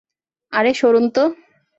আরে, সরুন তো!